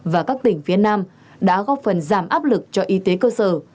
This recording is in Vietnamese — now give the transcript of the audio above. và các tỉnh phía nam đã góp phần giảm áp lực cho y tế cơ sở